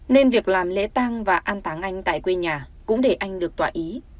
nên việc làm lễ tang và an táng anh tại quê nhà cũng để anh được tỏa ý